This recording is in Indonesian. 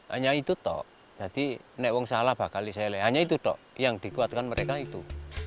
hanya itu toh jadi nek wong salah bakal diselih hanya itu toh yang dikuatkan mereka itu